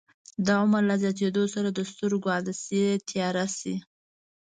د عمر له زیاتیدو سره د سترګو عدسیې تیاره شي.